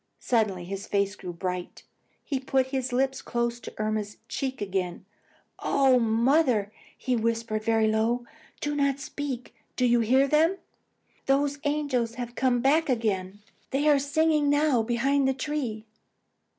Suddenly his face grew bright. He put his lips close to Irma's cheek again. "Oh, mother!" he whispered very low, "do not speak. Do you hear them? Those angels have come back again. They are singing now behind the tree."